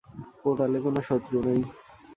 পোর্টালে কোনো শত্রু নেই।